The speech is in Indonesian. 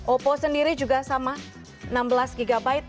oppo sendiri juga sama enam belas gb